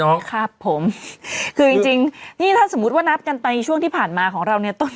น้องครับผมถ้าสมมุติว่าน้าช่วงที่ผ่านมาของเรา